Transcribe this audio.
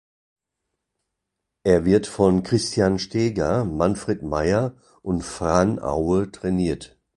Er wird von Christian Steger, Manfred Maier und Fran Aue trainiert.